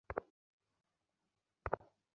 সে একাই তিনটি ঘরের মালিক।